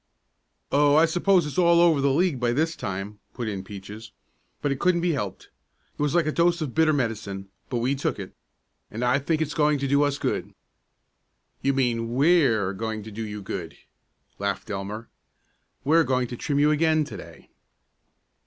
"Oh, I suppose it's all over the league by this time," put in Peaches. "But it couldn't be helped. It was like a dose of bitter medicine, but we took it, and I think it's going to do us good." "You mean we're going to do you good," laughed Elmer. "We're going to trim you again to day."